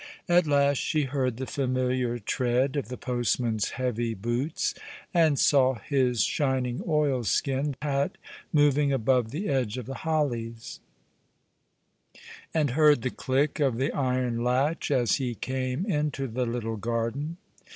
At last she heard the familiar tread of the postman's heavy boots, and saw his shining oilskin hat moving above the edge of the hollies, and heard the click of the iron latch as he came into the little garden.